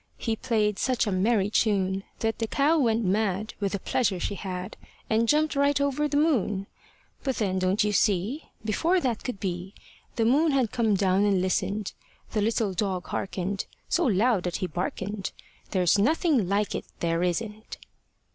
He played such a merry tune, That the cow went mad With the pleasure she had, And jumped right over the moon. But then, don't you see? Before that could be, The moon had come down and listened. The little dog hearkened, So loud that he barkened, "There's nothing like it, there isn't."